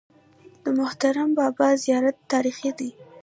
د مهترلام بابا زیارت تاریخي دی